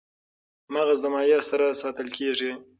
مغز د مایع سره ساتل کېږي.